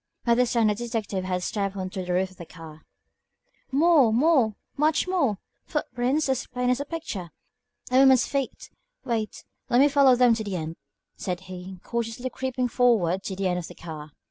By this time the detective had stepped on to the roof of the car. "More, more, much more! Footprints, as plain as a picture. A woman's feet. Wait, let me follow them to the end," said he, cautiously creeping forward to the end of the car.